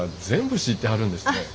全部知ってはるんですね。